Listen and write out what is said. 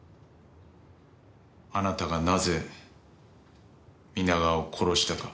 あなたがなぜ皆川を殺したか。